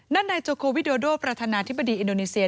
นายโจโควิโดโดประธานาธิบดีอินโดนีเซีย